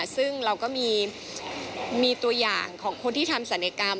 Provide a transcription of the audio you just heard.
ซึ่งเราก็มีตัวอย่างของคนที่ทำศัลยกรรม